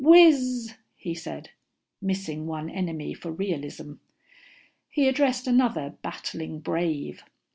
Wizzzz," he said, missing one enemy for realism. He addressed another battling brave.